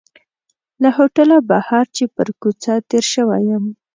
له هوټله بهر چې پر کوڅه تېر شوی یم.